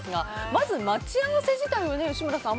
まず待ち合わせ自体を吉村さん